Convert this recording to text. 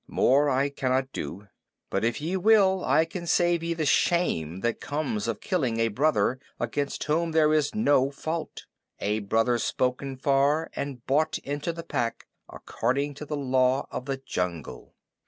More I cannot do; but if ye will, I can save ye the shame that comes of killing a brother against whom there is no fault a brother spoken for and bought into the Pack according to the Law of the Jungle."